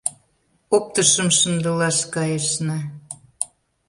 Оптышым шындылаш кайышна.